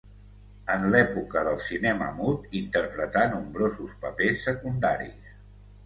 En l'època del cinema mut interpretà nombrosos papers secundaris.